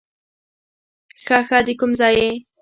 ښه ښه، د کوم ځای یې؟